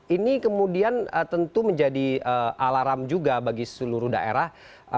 ini kemudian tentu menjadi alarm juga bagi seluruh daerah